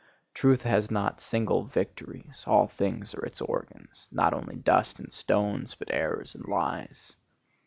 Truth has not single victories; all things are its organs,—not only dust and stones, but errors and lies.